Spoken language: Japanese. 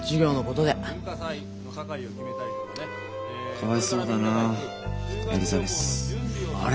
かわいそうだなエリザベス。あれ？